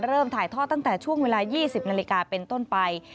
ถ่ายทอดตั้งแต่ช่วงเวลา๒๐นาฬิกาเป็นต้นไป